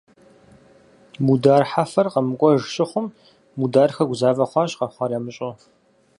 Мудар Хьэфэр къэмыкӀуэж щыхъум Мудархэ гузавэ хъуащ къэхъуар ямыщӀэу.